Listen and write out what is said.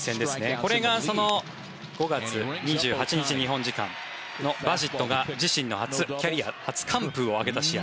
これが５月２８日、日本時間のバジットが自身初キャリア初完封を挙げた試合。